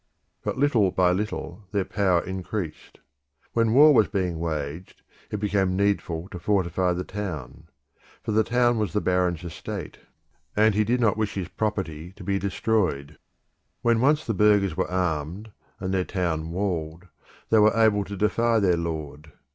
But little by little their power increased. When war was being waged, it became needful to fortify the town; for the town was the baron's estate, and he did not wish his property to be destroyed. When once the burghers were armed and their town walled they were able to defy their lord.